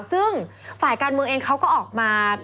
ซึ่งฝ่ายการเมืองเองเขาก็ออกมา